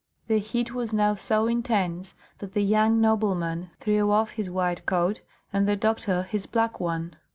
The heat was now so intense that the young nobleman threw off his white coat, and the doctor his black one.